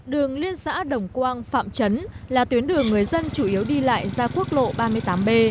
đường liên xã đồng quang phạm trấn là tuyến đường người dân chủ yếu đi lại ra quốc lộ ba mươi tám b